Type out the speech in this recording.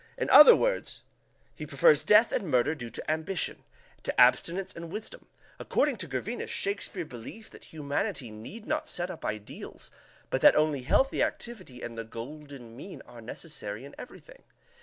In other words, he prefers death and murder due to ambition, to abstinence and wisdom. According to Gervinus, Shakespeare believes that humanity need not set up ideals, but that only healthy activity and the golden mean are necessary in everything.